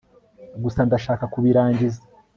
gusa ndashaka kubirangiza